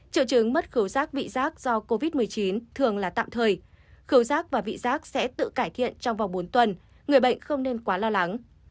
trợ chứng mất khấu giác vị giác do covid một mươi chín thường là tạm thời khấu giác và vị giác sẽ tự cải thiện trong vòng bốn tuần người bệnh không nên quá lo lắng